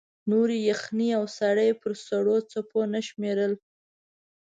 نورې یخنۍ او ساړه یې پر سړو څپو نه شمېرل.